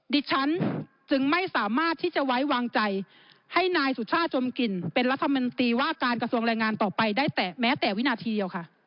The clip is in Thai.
ดิฉันจึงไม่สามารถที่จะไว้วางใจให้นายสุชาติจมกลิ่นเป็นรัฐมนตรีว่าการกระทรวงแรงงานต่อไปได้แต่แม้แต่วินาทีเดียวค่ะ